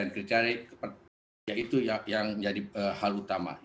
kriteria itu yang menjadi hal utama